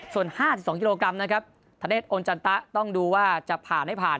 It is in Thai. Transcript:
ส่วน๕๒กิโลกรัมธนตรีตอลจันตะต้องดูว่าจะผ่านหรือผ่าน